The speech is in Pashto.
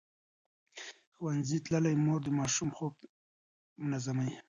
ښوونځې تللې مور د ماشوم خوب منظموي.